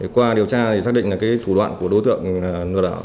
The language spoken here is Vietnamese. qua điều tra xác định là thủ đoạn của đối tượng nội đảo